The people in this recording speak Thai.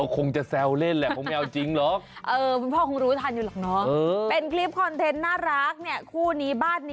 ค่ะทำได้ทำเลยค่ะ